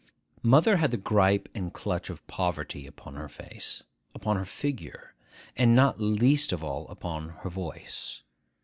Mother had the gripe and clutch of poverty upon her face, upon her figure, and not least of all upon her voice.